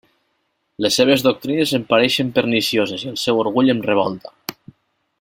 Les seves doctrines em pareixen pernicioses, i el seu orgull em revolta.